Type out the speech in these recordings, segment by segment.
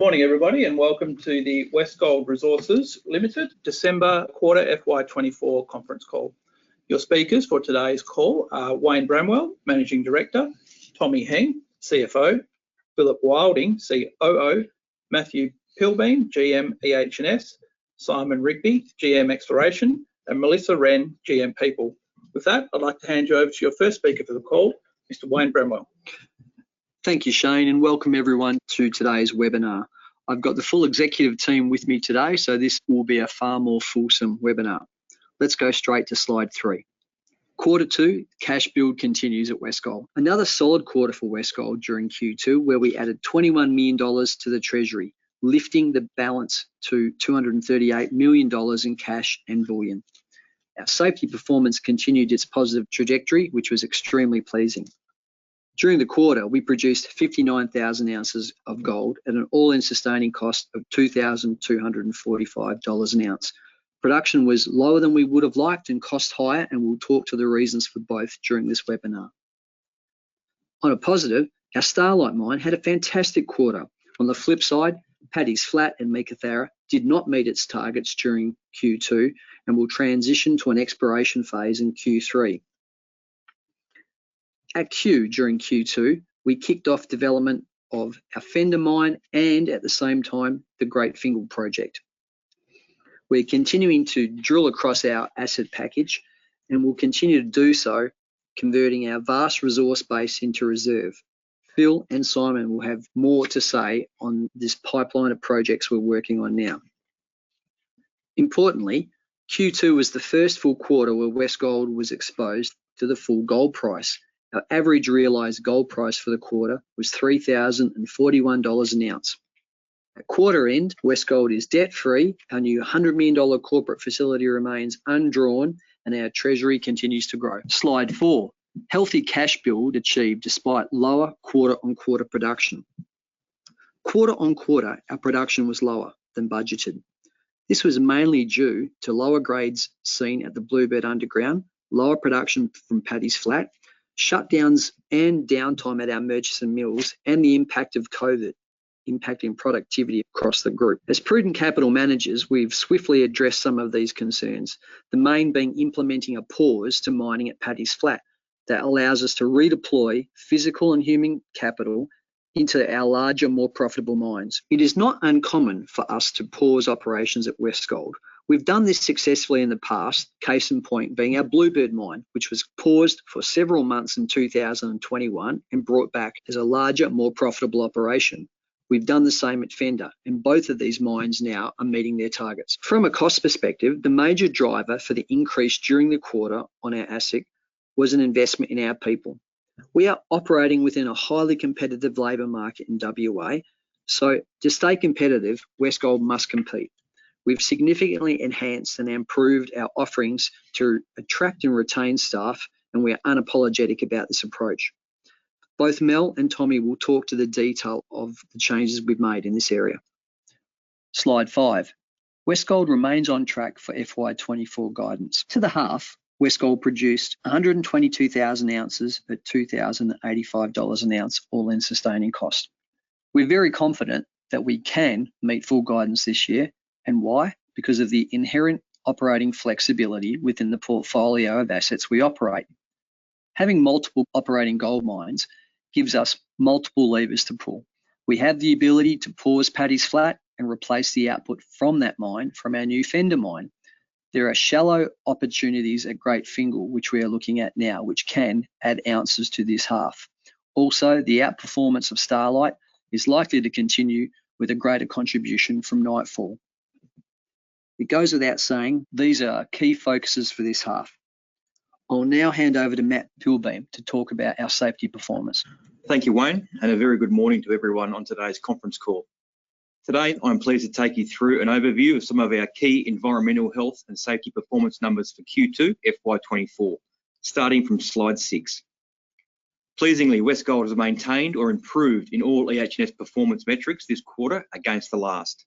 Morning, everybody, and welcome to the Westgold Resources Limited December Quarter FY 24 conference call. Your speakers for today's call are Wayne Bramwell, Managing Director, Tommy Heng, CFO, Phillip Wilding, COO, Matthew Pilbeam, GM, EH&S, Simon Rigby, GM Exploration, and Melissa Wren, GM, People. With that, I'd like to hand you over to your first speaker for the call, Mr. Wayne Bramwell. Thank you, Shane, and welcome everyone to today's webinar. I've got the full executive team with me today, so this will be a far more fulsome webinar. Let's go straight to slide 3. Quarter two, cash build continues at Westgold. Another solid quarter for Westgold during Q2, where we added 21 million dollars to the treasury, lifting the balance to 238 million dollars in cash and bullion. Our safety performance continued its positive trajectory, which was extremely pleasing. During the quarter, we produced 59,000 ounces of gold at an all-in sustaining cost of $2,245 an ounce. Production was lower than we would have liked and cost higher, and we'll talk to the reasons for both during this webinar. On a positive, our Starlight mine had a fantastic quarter. On the flip side, Paddy's Flat and Meekatharra did not meet its targets during Q2 and will transition to an exploration phase in Q3. During Q2, we kicked off development of our Fender mine and at the same time, the Great Fingall project. We're continuing to drill across our asset package, and we'll continue to do so, converting our vast resource base into reserve. Phil and Simon will have more to say on this pipeline of projects we're working on now. Importantly, Q2 was the first full quarter where Westgold was exposed to the full gold price. Our average realized gold price for the quarter was $3,041 an ounce. At quarter end, Westgold is debt-free, our new $100 million corporate facility remains undrawn, and our treasury continues to grow. Slide four: Healthy cash build achieved despite lower quarter-on-quarter production. Quarter-on-quarter, our production was lower than budgeted. This was mainly due to lower grades seen at the Bluebird Underground, lower production from Paddy's Flat, shutdowns and downtime at our Murchison Mills, and the impact of COVID impacting productivity across the group. As prudent capital managers, we've swiftly addressed some of these concerns, the main being implementing a pause to mining at Paddy's Flat that allows us to redeploy physical and human capital into our larger, more profitable mines. It is not uncommon for us to pause operations at Westgold. We've done this successfully in the past, case in point being our Bluebird mine, which was paused for several months in 2021 and brought back as a larger, more profitable operation. We've done the same at Fender, and both of these mines now are meeting their targets. From a cost perspective, the major driver for the increase during the quarter on our AISC was an investment in our people. We are operating within a highly competitive labor market in WA, so to stay competitive, Westgold must compete. We've significantly enhanced and improved our offerings to attract and retain staff, and we are unapologetic about this approach. Both Mel and Tommy will talk to the detail of the changes we've made in this area. Slide five. Westgold remains on track for FY24 guidance. To the half, Westgold produced 122,000 ounces at $2,085 an ounce, all-in sustaining cost. We're very confident that we can meet full guidance this year. And why? Because of the inherent operating flexibility within the portfolio of assets we operate. Having multiple operating gold mines gives us multiple levers to pull. We have the ability to pause Paddy's Flat and replace the output from that mine from our new Fender mine. There are shallow opportunities at Great Fingall, which we are looking at now, which can add ounces to this half. Also, the outperformance of Starlight is likely to continue with a greater contribution from Nightfall. It goes without saying, these are our key focuses for this half. I'll now hand over to Matt Pilbeam to talk about our safety performance. Thank you, Wayne, and a very good morning to everyone on today's conference call. Today, I'm pleased to take you through an overview of some of our key environmental, health, and safety performance numbers for Q2 FY 2024, starting from slide 6. Pleasingly, Westgold has maintained or improved in all EH&S performance metrics this quarter against the last.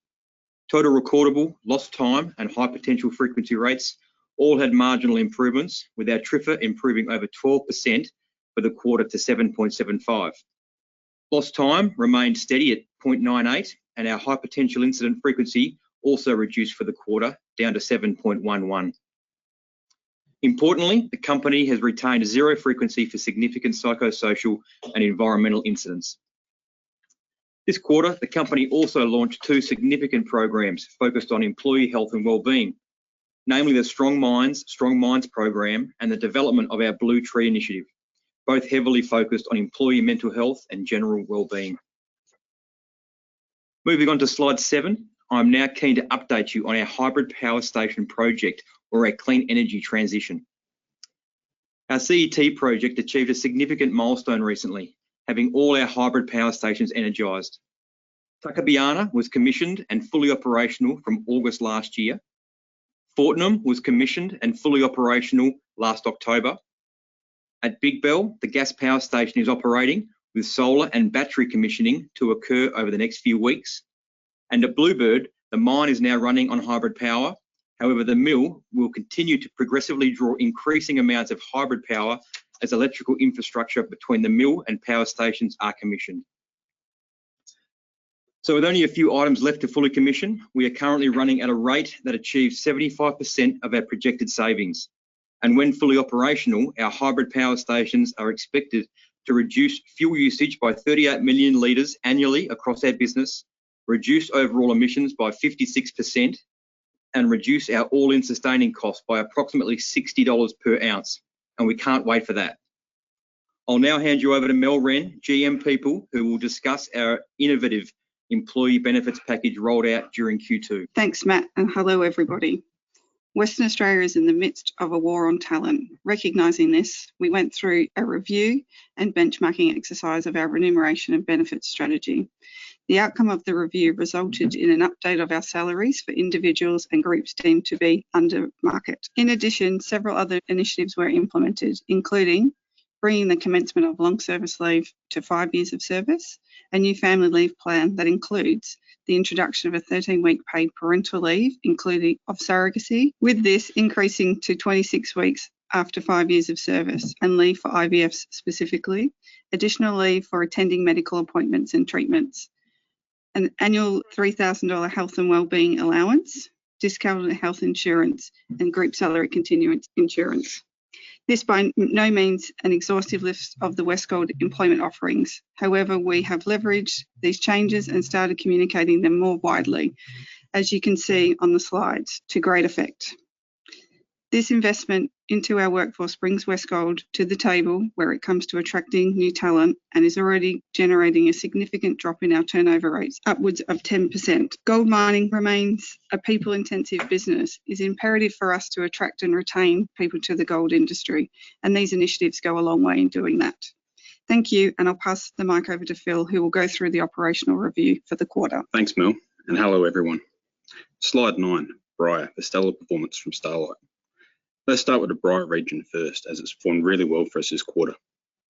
Total recordable, lost time, and high potential frequency rates all had marginal improvements, with our TRIFR improving over 12% for the quarter to 7.75. Lost time remained steady at 0.98, and our high potential incident frequency also reduced for the quarter, down to 7.11. Importantly, the company has retained 0 frequency for significant psychosocial and environmental incidents. This quarter, the company also launched two significant programs focused on employee health and wellbeing, namely the Strong Minds, Strong Mines program and the development of our Blue Tree initiative, both heavily focused on employee mental health and general wellbeing. Moving on to slide seven, I'm now keen to update you on our hybrid power station project or our clean energy transition. Our CET project achieved a significant milestone recently, having all our hybrid power stations energized. Tuckabianna was commissioned and fully operational from August last year. Fortnum was commissioned and fully operational last October. At Big Bell, the gas power station is operating, with solar and battery commissioning to occur over the next few weeks. And at Bluebird, the mine is now running on hybrid power-... However, the mill will continue to progressively draw increasing amounts of hybrid power as electrical infrastructure between the mill and power stations are commissioned. So with only a few items left to fully commission, we are currently running at a rate that achieves 75% of our projected savings. And when fully operational, our hybrid power stations are expected to reduce fuel usage by 38 million liters annually across our business, reduce overall emissions by 56%, and reduce our all-in sustaining costs by approximately 60 dollars per ounce, and we can't wait for that. I'll now hand you over to Mel Wren, GM, People, who will discuss our innovative employee benefits package rolled out during Q2. Thanks, Matt, and hello, everybody. Western Australia is in the midst of a war on talent. Recognizing this, we went through a review and benchmarking exercise of our remuneration and benefits strategy. The outcome of the review resulted in an update of our salaries for individuals and groups deemed to be under market. In addition, several other initiatives were implemented, including bringing the commencement of long service leave to 5 years of service, a new family leave plan that includes the introduction of a 13-week paid parental leave, including of surrogacy, with this increasing to 26 weeks after 5 years of service, and leave for IVFs, specifically. Additionally, for attending medical appointments and treatments, an annual 3,000 dollar health and wellbeing allowance, discounted health insurance, and group salary continuance insurance. This by no means an exhaustive list of the Westgold employment offerings. However, we have leveraged these changes and started communicating them more widely, as you can see on the slides, to great effect. This investment into our workforce brings Westgold to the table where it comes to attracting new talent and is already generating a significant drop in our turnover rates, upwards of 10%. Gold mining remains a people-intensive business. It's imperative for us to attract and retain people to the gold industry, and these initiatives go a long way in doing that. Thank you, and I'll pass the mic over to Phil, who will go through the operational review for the quarter. Thanks, Mel, and hello, everyone. Slide 9, Bryah, a stellar performance from Starlight. Let's start with the Bryah region first, as it's performed really well for us this quarter.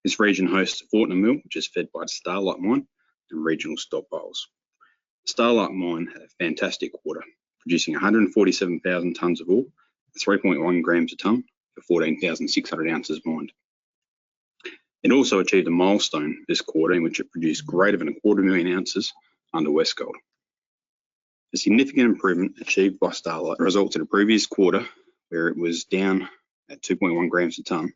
This region hosts Fortnum Mill, which is fed by Starlight Mine and regional stock piles. Starlight Mine had a fantastic quarter, producing 147,000 tons of ore, 3.1 grams a ton, for 14,600 ounces mined. It also achieved a milestone this quarter in which it produced greater than a quarter million ounces under Westgold. The significant improvement achieved by Starlight results in a previous quarter where it was down at 2.1 grams a ton,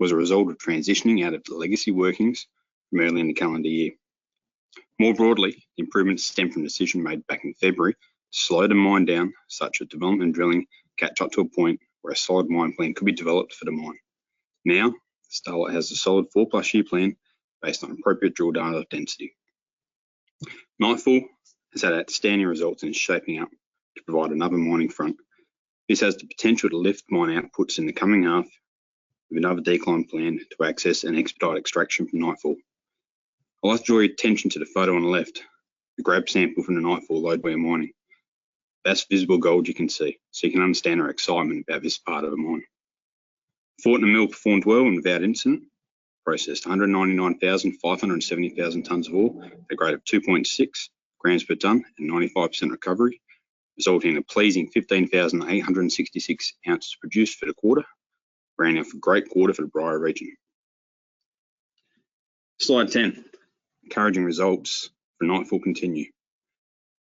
was a result of transitioning out of the legacy workings primarily in the calendar year. More broadly, improvements stem from a decision made back in February to slow the mine down, such that development and drilling catch up to a point where a solid mine plan could be developed for the mine. Now, Starlight has a solid four-plus-year plan based on appropriate drill data density. Nightfall has had outstanding results and is shaping up to provide another mining front. This has the potential to lift mine outputs in the coming half with another decline plan to access and expedite extraction from Nightfall. I'll draw your attention to the photo on the left, the grab sample from the Nightfall lode we are mining. That's visible gold you can see, so you can understand our excitement about this part of the mine. Fortnum Mill performed well and without incident, processed 199,570 tons of ore at a grade of 2.6 grams per ton and 95% recovery, resulting in a pleasing 15,866 ounces produced for the quarter. Rounding off a great quarter for the Bryah region. Slide 10. Encouraging results for Nightfall continue.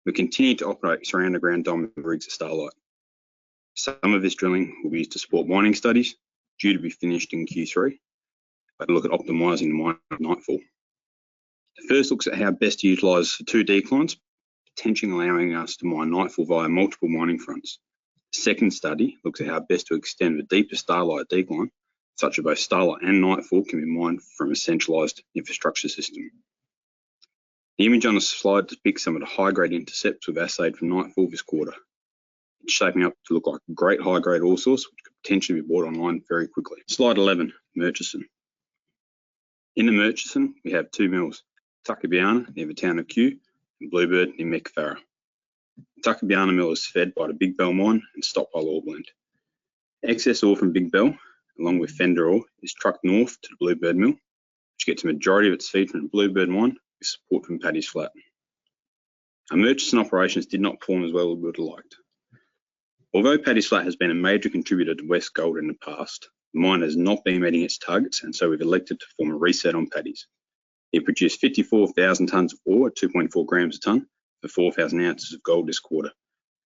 We continue to operate three underground diamond rigs at Starlight. Some of this drilling will be used to support mining studies due to be finished in Q3 and look at optimizing mine at Nightfall. The first looks at how best to utilize the two declines, potentially allowing us to mine Nightfall via multiple mining fronts. Second study looks at how best to extend the deepest Starlight decline, such that both Starlight and Nightfall can be mined from a centralized infrastructure system. The image on the slide depicts some of the high-grade intercepts we've assayed from Nightfall this quarter. It's shaping up to look like a great high-grade ore source, which could potentially be brought online very quickly. Slide 11, Murchison. In the Murchison, we have two mills, Tuckabianna, near the town of Cue, and Bluebird, near Meekatharra. Tuckabianna Mill is fed by the Big Bell Mine and stockpile ore blend. Excess ore from Big Bell, along with Fender ore, is trucked north to the Bluebird Mill, which gets a majority of its feed from Bluebird Mine with support from Paddy's Flat. Our Murchison operations did not perform as well as we would have liked. Although Paddy's Flat has been a major contributor to Westgold in the past, the mine has not been meeting its targets, and so we've elected to perform a reset on Paddy's. It produced 54,000 tons of ore at 2.4 grams a ton for 4,000 ounces of gold this quarter.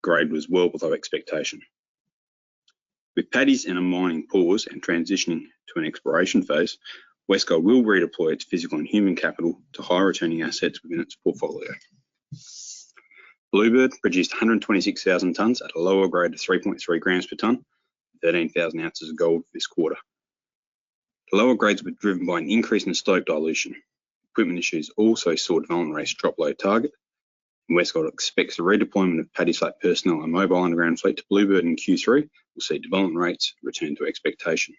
Grade was well below expectation. With Paddy's in a mining pause and transitioning to an exploration phase, Westgold will redeploy its physical and human capital to higher-returning assets within its portfolio. Bluebird produced 126,000 tons at a lower grade of 3.3 grams per ton, 13,000 ounces of gold this quarter. The lower grades were driven by an increase in stope dilution. Equipment issues also saw development rates drop below target, and Westgold expects a redeployment of Paddy's Flat personnel and mobile underground fleet to Bluebird in Q3. We'll see development rates return to expectation.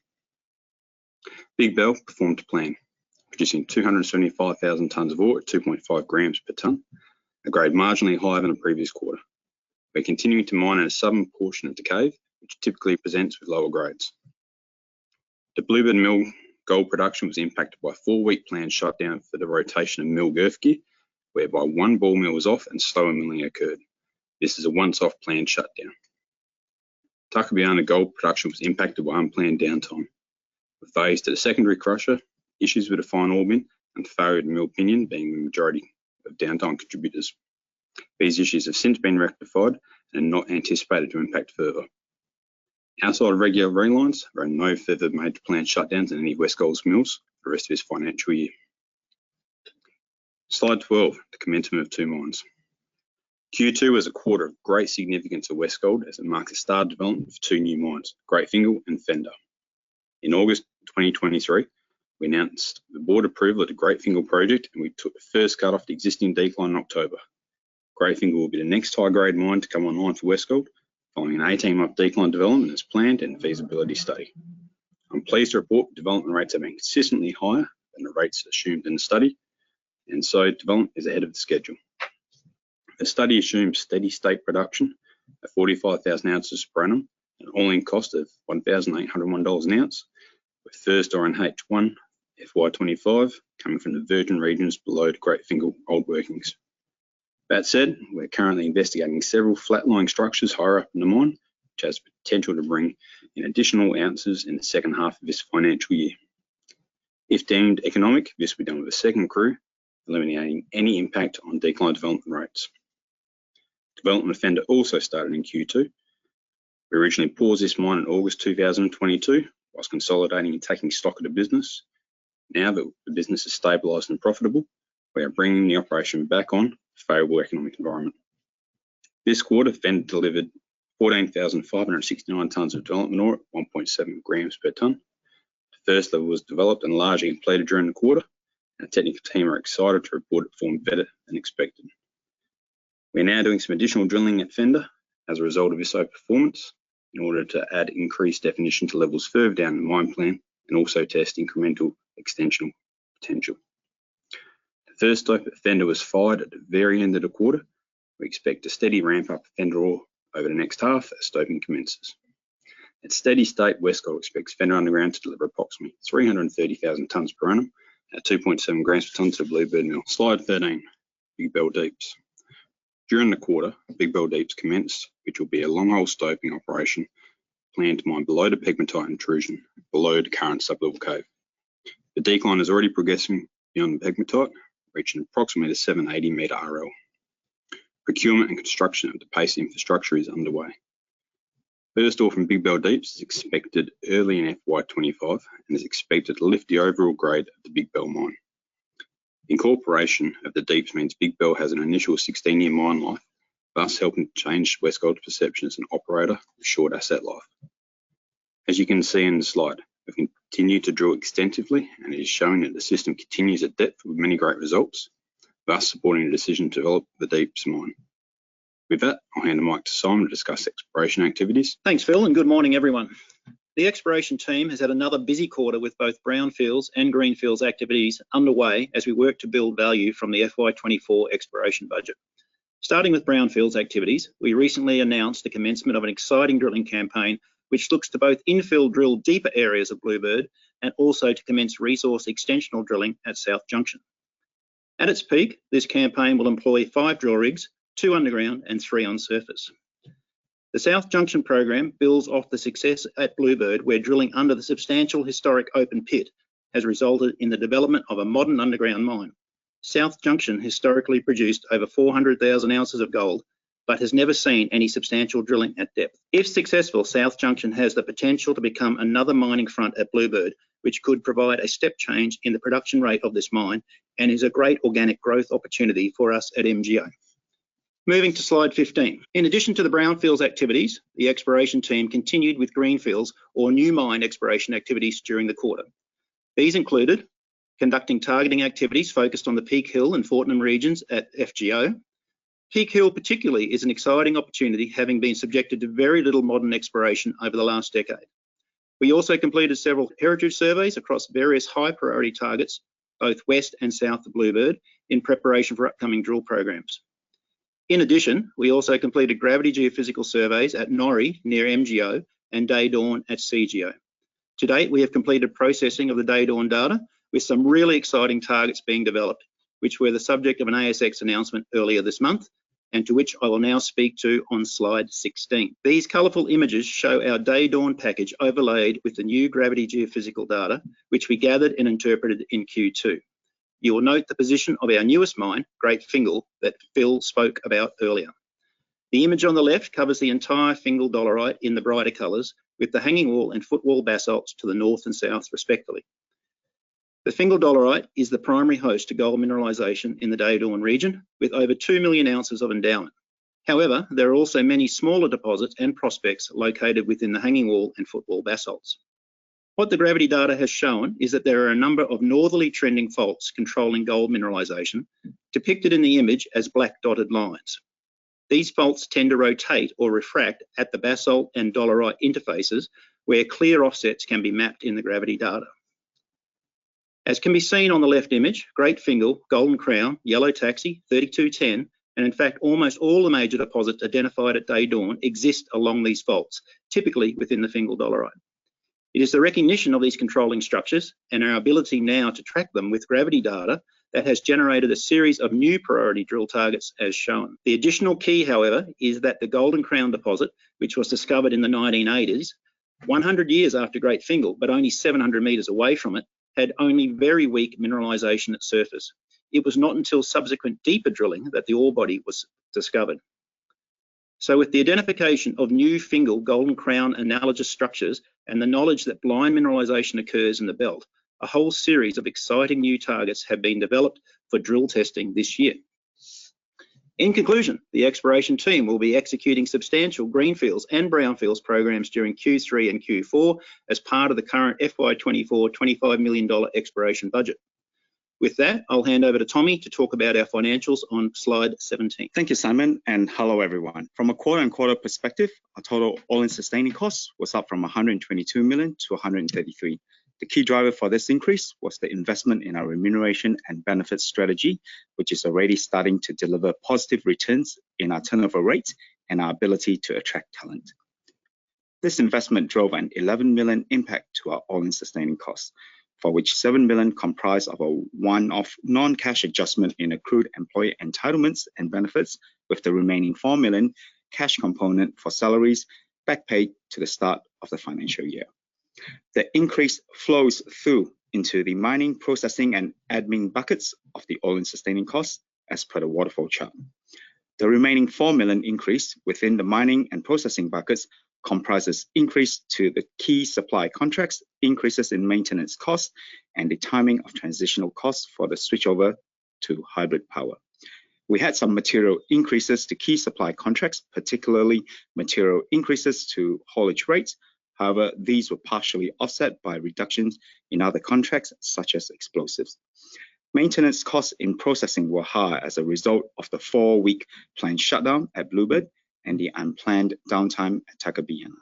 Big Bell performed to plan, producing 275,000 tons of ore at 2.5 grams per ton, a grade marginally higher than the previous quarter. We're continuing to mine at a southern portion of the cave, which typically presents with lower grades.... The Bluebird Mill gold production was impacted by a 4-week planned shutdown for the rotation of mill gear, whereby one ball mill was off and slower milling occurred. This is a once-off planned shutdown. Tuckabianna gold production was impacted by unplanned downtime, with failures to the secondary crusher, issues with the fine ore bin, and failure in mill pinion being the majority of downtime contributors. These issues have since been rectified and are not anticipated to impact further. Outside of regular running lines, there are no further major planned shutdowns in any Westgold's mills for the rest of this financial year. Slide 12, the commencement of two mines. Q2 was a quarter of great significance to Westgold as it marks the start of development of two new mines, Great Fingall and Fender. In August 2023, we announced the board approval of the Great Fingall project, and we took the first cut off the existing decline in October. Great Fingall will be the next high-grade mine to come online for Westgold, following an 18-month decline development as planned and feasibility study. I'm pleased to report development rates have been consistently higher than the rates assumed in the study, and so development is ahead of the schedule. The study assumes steady state production at 45,000 ounces per annum, an all-in cost of $1,801 an ounce, with first ore in H1 FY 2025 coming from the virgin regions below the Great Fingall old workings. That said, we're currently investigating several flat-lying structures higher up in the mine, which has potential to bring in additional ounces in the H2 of this financial year. If deemed economic, this will be done with a second crew, eliminating any impact on decline development rates. Development of Fender also started in Q2. We originally paused this mine in August 2022, while consolidating and taking stock of the business. Now that the business is stabilized and profitable, we are bringing the operation back on favorable economic environment. This quarter, Fender delivered 14,569 tonnes of development ore at 1.7 grams per tonne. The first level was developed and largely completed during the quarter, and the technical team are excited to report it formed better than expected. We're now doing some additional drilling at Fender as a result of this high performance in order to add increased definition to levels further down the mine plan and also test incremental extensional potential. The first stop at Fender was fired at the very end of the quarter. We expect a steady ramp up at Fender ore over the next half as stopping commences. At steady state, Westgold expects Fender underground to deliver approximately 330,000 tonnes per annum at 2.7 grams per tonne to Bluebird Mill. Slide 13, Big Bell Deeps. During the quarter, Big Bell Deeps commenced, which will be a Long Hole Stopping operation planned to mine below the pegmatite intrusion, below the current Sub-Level Cave. The decline is already progressing beyond the pegmatite, reaching approximately 780 meter RL. Procurement and construction of the paste infrastructure is underway. First ore from Big Bell Deeps is expected early in FY 25 and is expected to lift the overall grade of the Big Bell mine. Incorporation of the Deeps means Big Bell has an initial 16-year mine life, thus helping to change Westgold's perception as an operator with short asset life. As you can see in the slide, we've continued to drill extensively, and it is showing that the system continues at depth with many great results, thus supporting the decision to develop the Deeps mine. With that, I'll hand the mic to Simon to discuss exploration activities. Thanks, Phil, and good morning, everyone. The exploration team has had another busy quarter with both brownfields and greenfields activities underway as we work to build value from the FY 2024 exploration budget. Starting with brownfields activities, we recently announced the commencement of an exciting drilling campaign, which looks to both infill drill deeper areas of Bluebird and also to commence resource extensional drilling at South Junction. At its peak, this campaign will employ 5 drill rigs, 2 underground and 3 on surface. The South Junction program builds off the success at Bluebird, where drilling under the substantial historic open pit has resulted in the development of a modern underground mine. South Junction historically produced over 400,000 ounces of gold, but has never seen any substantial drilling at depth. If successful, South Junction has the potential to become another mining front at Bluebird, which could provide a step change in the production rate of this mine and is a great organic growth opportunity for us at MGO. Moving to slide 15. In addition to the brownfields activities, the exploration team continued with greenfields or new mine exploration activities during the quarter. These included conducting targeting activities focused on the Peak Hill and Fortnum regions at FGO. Peak Hill, particularly, is an exciting opportunity, having been subjected to very little modern exploration over the last decade. We also completed several heritage surveys across various high-priority targets, both west and south of Bluebird, in preparation for upcoming drill programs. In addition, we also completed gravity geophysical surveys at Norrie, near MGO, and Day Dawn at CGO. To date, we have completed processing of the Day Dawn data with some really exciting targets being developed, which were the subject of an ASX announcement earlier this month, and to which I will now speak to on slide 16. These colorful images show our Day Dawn package overlaid with the new gravity geophysical data, which we gathered and interpreted in Q2. You will note the position of our newest mine, Great Fingall, that Phil spoke about earlier. The image on the left covers the entire Fingall Dolerite in the brighter colors, with the hanging wall and footwall basalts to the north and south, respectively. The Fingall Dolerite is the primary host to gold mineralization in the Day Dawn region, with over 2 million ounces of endowment. However, there are also many smaller deposits and prospects located within the hanging wall and footwall basalts. What the gravity data has shown is that there are a number of northerly trending faults controlling gold mineralization, depicted in the image as black dotted lines. These faults tend to rotate or refract at the basalt and dolerite interfaces, where clear offsets can be mapped in the gravity data.... As can be seen on the left image, Great Fingall, Golden Crown, Yellow Taxi, 3210, and in fact, almost all the major deposits identified at Day Dawn exist along these faults, typically within the Fingall Dolerite. It is the recognition of these controlling structures and our ability now to track them with gravity data, that has generated a series of new priority drill targets, as shown. The additional key, however, is that the Golden Crown deposit, which was discovered in the 1980s, 100 years after Great Fingall, but only 700 meters away from it, had only very weak mineralization at surface. It was not until subsequent deeper drilling that the ore body was discovered. So with the identification of new Fingall Golden Crown analogous structures and the knowledge that blind mineralization occurs in the belt, a whole series of exciting new targets have been developed for drill testing this year. In conclusion, the exploration team will be executing substantial greenfields and brownfields programs during Q3 and Q4 as part of the current FY 2024, 25 million dollar exploration budget. With that, I'll hand over to Tommy to talk about our financials on Slide 17. Thank you, Simon, and hello, everyone. From a quarter-on-quarter perspective, our total all-in sustaining costs was up from 122 million to 133 million. The key driver for this increase was the investment in our remuneration and benefits strategy, which is already starting to deliver positive returns in our turnover rate and our ability to attract talent. This investment drove an 11 million impact to our all-in sustaining costs, for which 7 million comprised of a one-off non-cash adjustment in accrued employee entitlements and benefits, with the remaining 4 million cash component for salaries back paid to the start of the financial year. The increase flows through into the mining, processing, and admin buckets of the all-in sustaining costs, as per the waterfall chart. The remaining 4 million increase within the mining and processing buckets comprises increase to the key supply contracts, increases in maintenance costs, and the timing of transitional costs for the switchover to hybrid power. We had some material increases to key supply contracts, particularly material increases to haulage rates. However, these were partially offset by reductions in other contracts, such as explosives. Maintenance costs in processing were high as a result of the 4-week planned shutdown at Bluebird and the unplanned downtime at Tuckabianna.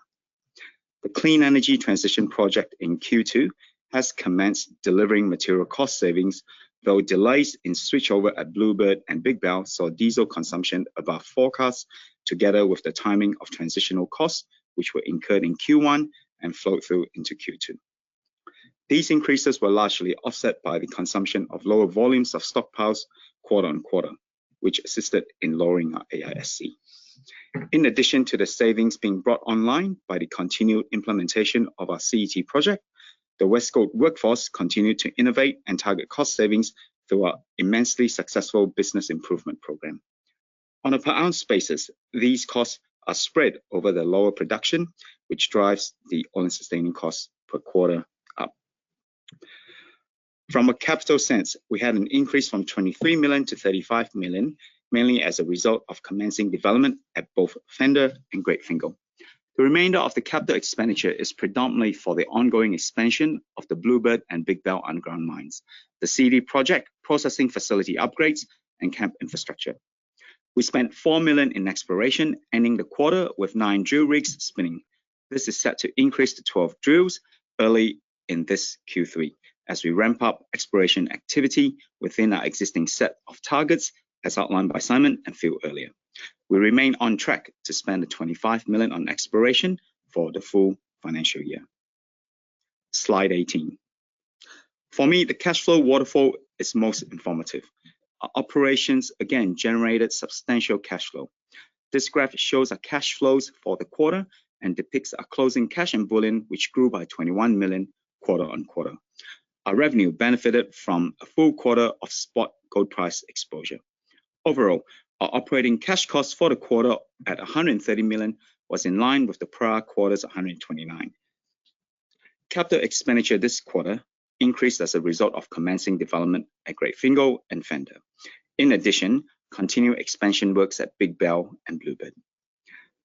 The Clean Energy Transition project in Q2 has commenced delivering material cost savings, though delays in switchover at Bluebird and Big Bell saw diesel consumption above forecast, together with the timing of transitional costs, which were incurred in Q1 and flowed through into Q2. These increases were largely offset by the consumption of lower volumes of stockpiles quarter-over-quarter, which assisted in lowering our AISC. In addition to the savings being brought online by the continued implementation of our CET project, the Westgold workforce continued to innovate and target cost savings through our immensely successful business improvement program. On a per ounce basis, these costs are spread over the lower production, which drives the all-in sustaining costs per quarter up. From a capital sense, we had an increase from 23 million to 35 million, mainly as a result of commencing development at both Fender and Great Fingall. The remainder of the capital expenditure is predominantly for the ongoing expansion of the Bluebird and Big Bell underground mines, the CET project, processing facility upgrades, and camp infrastructure. We spent 4 million in exploration, ending the quarter with 9 drill rigs spinning. This is set to increase to 12 drills early in this Q3 as we ramp up exploration activity within our existing set of targets, as outlined by Simon and Phil earlier. We remain on track to spend 25 million on exploration for the full financial year. Slide 18. For me, the cash flow waterfall is most informative. Our operations, again, generated substantial cash flow. This graph shows our cash flows for the quarter and depicts our closing cash and bullion, which grew by 21 million quarter-over-quarter. Our revenue benefited from a full quarter of spot gold price exposure. Overall, our operating cash costs for the quarter at 130 million was in line with the prior quarter's 129 million. Capital expenditure this quarter increased as a result of commencing development at Great Fingall and Fender. In addition, continued expansion works at Big Bell and Bluebird.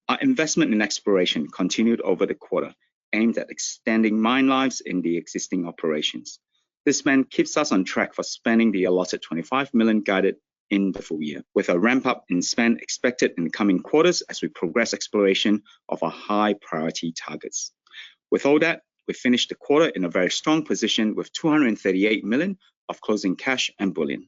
Our investment in exploration continued over the quarter, aimed at extending mine lives in the existing operations. This spend keeps us on track for spending the allotted 25 million guided in the full year, with a ramp-up in spend expected in the coming quarters as we progress exploration of our high-priority targets. With all that, we finished the quarter in a very strong position with 238 million of closing cash and bullion.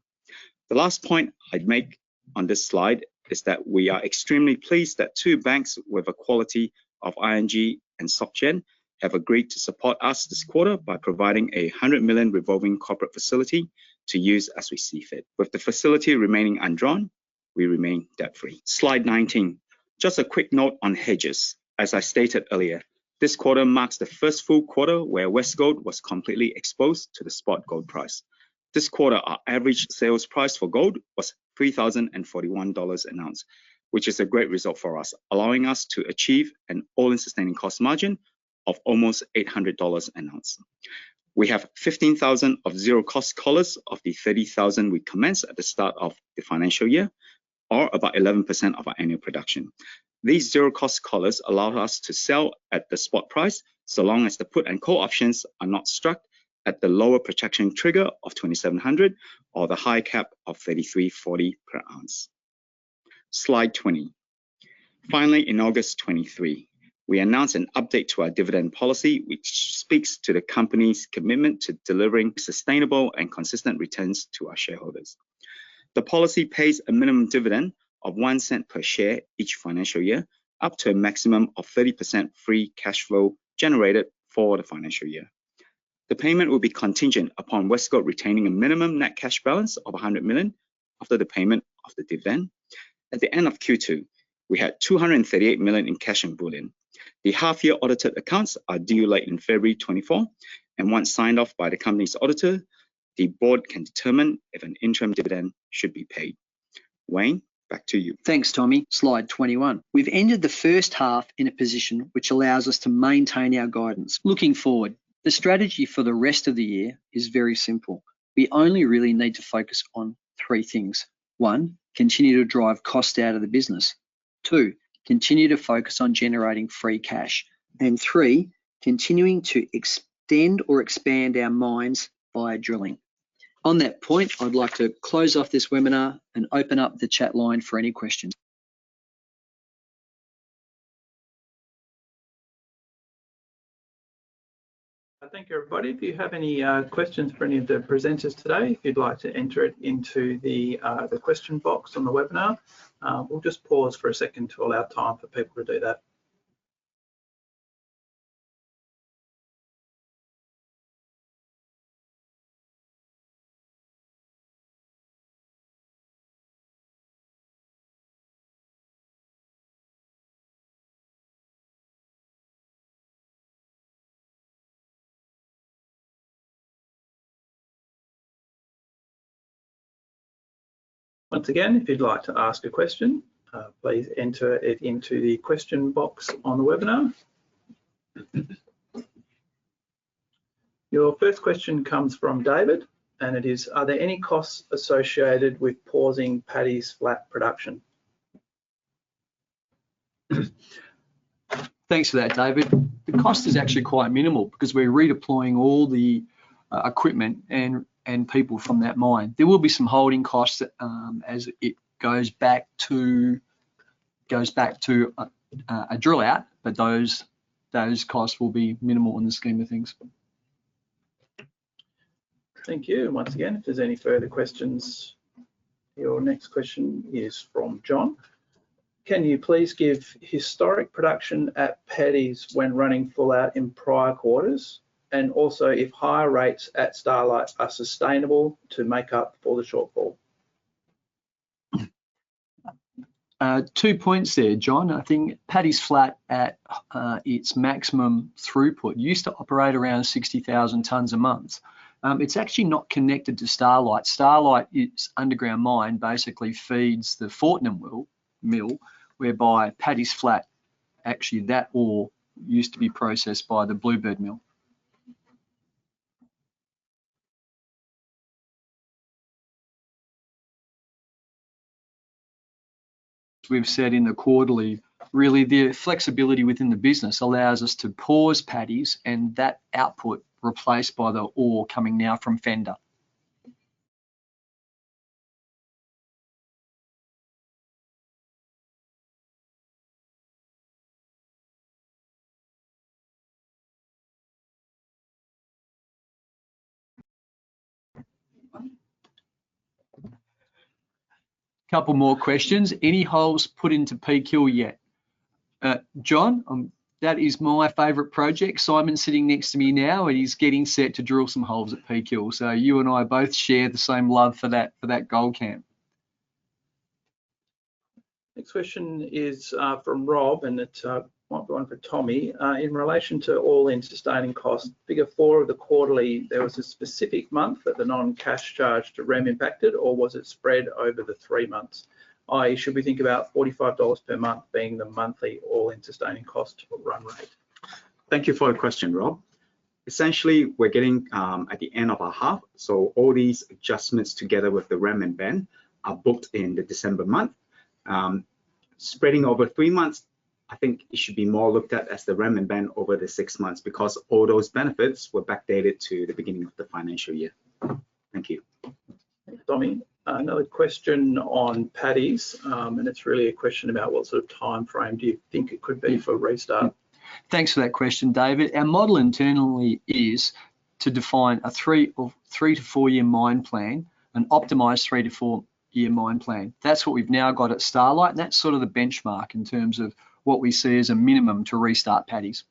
The last point I'd make on this slide is that we are extremely pleased that two banks with the quality of ING and Soc Gen have agreed to support us this quarter by providing 100 million revolving corporate facility to use as we see fit. With the facility remaining undrawn, we remain debt-free. Slide 19. Just a quick note on hedges. As I stated earlier, this quarter marks the first full quarter where Westgold was completely exposed to the spot gold price. This quarter, our average sales price for gold was 3,041 dollars an ounce, which is a great result for us, allowing us to achieve an all-in sustaining cost margin of almost 800 dollars an ounce. We have 15,000 of zero-cost collars of the 30,000 we commenced at the start of the financial year, or about 11% of our annual production. These zero-cost collars allow us to sell at the spot price, so long as the put and call options are not struck at the lower protection trigger of 2,700 or the high cap of 3,340 per ounce… Slide 20. Finally, in August 2023, we announced an update to our dividend policy, which speaks to the company's commitment to delivering sustainable and consistent returns to our shareholders. The policy pays a minimum dividend of 0.01 per share each financial year, up to a maximum of 30% free cash flow generated for the financial year. The payment will be contingent upon Westgold retaining a minimum net cash balance of 100 million after the payment of the dividend. At the end of Q2, we had 238 million in cash and bullion. The half-year audited accounts are due late in February 2024, and once signed off by the company's auditor, the board can determine if an interim dividend should be paid. Wayne, back to you. Thanks, Tommy. Slide 21. We've ended the first half in a position which allows us to maintain our guidance. Looking forward, the strategy for the rest of the year is very simple: We only really need to focus on three things. One, continue to drive cost out of the business. Two, continue to focus on generating free cash. And three, continuing to extend or expand our mines via drilling. On that point, I'd like to close off this webinar and open up the chat line for any questions. Thank you, everybody. If you have any questions for any of the presenters today, if you'd like to enter it into the question box on the webinar, we'll just pause for a second to allow time for people to do that. Once again, if you'd like to ask a question, please enter it into the question box on the webinar. Your first question comes from David, and it is: "Are there any costs associated with pausing Paddy's Flat production? Thanks for that, David. The cost is actually quite minimal because we're redeploying all the equipment and people from that mine. There will be some holding costs as it goes back to a drill out, but those costs will be minimal in the scheme of things. Thank you. Once again, if there's any further questions... Your next question is from John: "Can you please give historic production at Paddy's when running full out in prior quarters, and also if higher rates at Starlight are sustainable to make up for the shortfall? Two points there, John. I think Paddy's Flat at its maximum throughput used to operate around 60,000 tonnes a month. It's actually not connected to Starlight. Starlight, its underground mine basically feeds the Fortnum Mill, whereby Paddy's Flat, actually, that ore used to be processed by the Bluebird Mill. We've said in the quarterly, really, the flexibility within the business allows us to pause Paddy's, and that output replaced by the ore coming now from Fender. Couple more questions. "Any holes put into Peak Hill yet?" John, that is my favorite project. Simon's sitting next to me now, and he's getting set to drill some holes at Peak Hill. So you and I both share the same love for that, for that gold camp. Next question is from Rob, and it's might be one for Tommy. "In relation to all-in sustaining costs, figure four of the quarterly, there was a specific month that the non-cash charge to REM impacted, or was it spread over the three months? I.e., should we think about 45 dollars per month being the monthly all-in sustaining cost run rate? Thank you for your question, Rob. Essentially, we're getting at the end of a half, so all these adjustments, together with the REM and BEN, are booked in the December month. Spreading over three months, I think it should be more looked at as the REM and BEN over the six months because all those benefits were backdated to the beginning of the financial year. Thank you. Thanks, Tommy. Another question on Paddy's, and it's really a question about what sort of timeframe do you think it could be for a restart? Thanks for that question, David. Our model internally is to define a 3- or 3-to-4-year mine plan, an optimized 3-to-4-year mine plan. That's what we've now got at Starlight, and that's sort of the benchmark in terms of what we see as a minimum to restart Paddy's.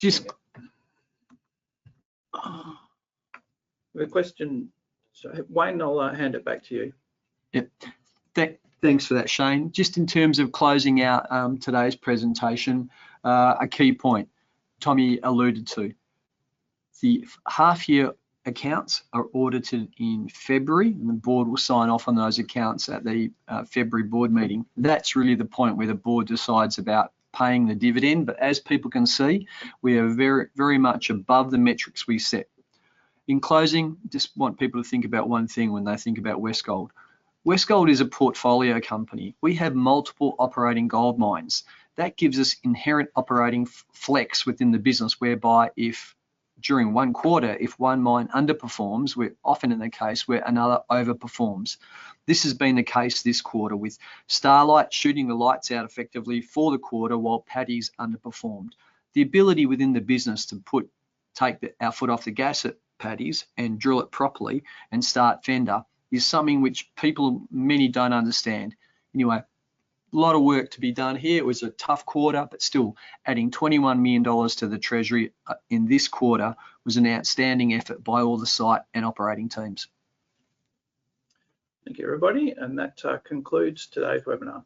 Just... We have a question. Wayne, I'll hand it back to you. Yep. Thanks for that, Shane. Just in terms of closing out, today's presentation, a key point Tommy alluded to, the half-year accounts are audited in February, and the board will sign off on those accounts at the, February board meeting. That's really the point where the board decides about paying the dividend. But as people can see, we are very, very much above the metrics we set. In closing, just want people to think about one thing when they think about Westgold. Westgold is a portfolio company. We have multiple operating gold mines. That gives us inherent operating flex within the business, whereby if, during one quarter, if one mine underperforms, we're often in the case where another overperforms. This has been the case this quarter, with Starlight shooting the lights out effectively for the quarter, while Paddy's underperformed. The ability within the business to take our foot off the gas at Paddy's and drill it properly and start Fender is something which many people don't understand. Anyway, a lot of work to be done here. It was a tough quarter, but still, adding 21 million dollars to the treasury in this quarter was an outstanding effort by all the site and operating teams. Thank you, everybody, and that concludes today's webinar.